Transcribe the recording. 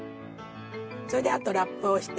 それであとラップをして。